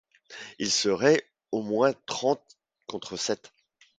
Ils seraient au moins trente contre sept !